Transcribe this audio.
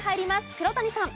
黒谷さん。